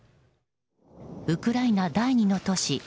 ウクライナ第２の都市